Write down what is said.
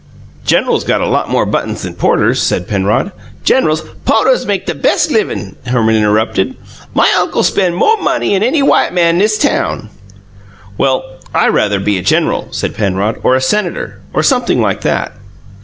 "Generals get a lot more buttons than porters," said Penrod. "Generals " "Po'tuhs make the bes' l'vin'," Herman interrupted. "My uncle spen' mo' money 'n any white man n'is town." "Well, I rather be a general," said Penrod, "or a senator, or sumpthing like that."